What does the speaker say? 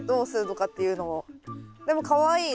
でもかわいい。